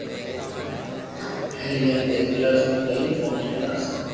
ھين ۾ پيرو ڪلاس مون لئين پونچ ڪلاس